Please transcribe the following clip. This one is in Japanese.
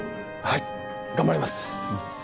はい頑張ります！